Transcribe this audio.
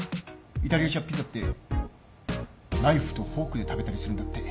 イタリアじゃピザってナイフとフォークで食べたりするんだって。